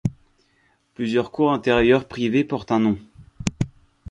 Plusieurs cours intérieures privées portent un nom.